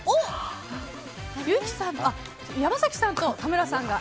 山崎さんと田村さんがＡ。